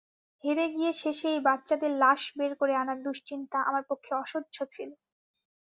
হেরে গিয়ে শেষে এই বাচ্চাদের লাশ বের করে আনার দুশ্চিন্তা আমার পক্ষে অসহ্য ছিল।